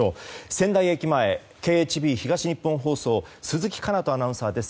仙台駅前、ＫＨＢ東日本放送鈴木奏斗アナウンサーです。